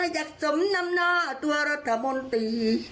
อยากสมนำนาตร์ตัวรัฐมนตรี